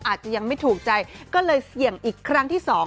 อาจจะยังไม่ถูกใจก็เลยเสี่ยงอีกครั้งที่สอง